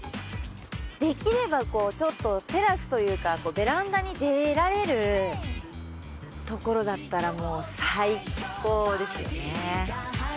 できればちょっとテラスというかベランダに出られる所だったらもう最高ですよね。